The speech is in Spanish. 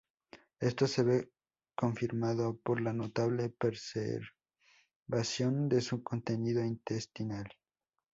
Esto se ve confirmado por la notable preservación de su contenido intestinal.